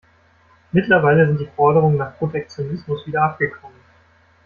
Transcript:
Mittlerweile sind die Forderungen nach Protektionismus wieder abgeklungen.